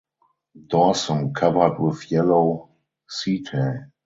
Dorsum covered with yellow setae.